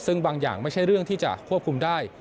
ซึ่งบางอย่างไม่ใช่เรื่องที่จะควบคุมได้